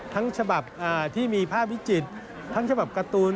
ฉบับที่มีภาพวิจิตรทั้งฉบับการ์ตูน